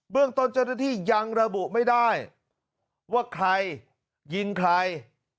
เรื่องต้นเจ้าหน้าที่ยังระบุไม่ได้ว่าใครยิงใคร